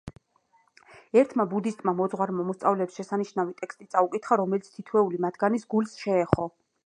ერთმა ბუდისტმა მოძღვარმა მოსწავლეებს შესანიშნავი ტექსტი წაუკითხა, რომელიც თითოეული მათგანის გულს შეეხო.